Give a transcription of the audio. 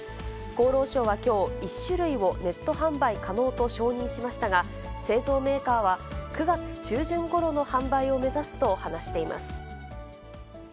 厚労省はきょう、１種類をネット販売可能と承認しましたが、製造メーカーは、９月中旬ごろの販売を目指すと話しています。